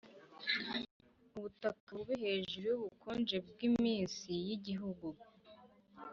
ubutaka bubi hejuru yubukonje bwiminsi yigihugu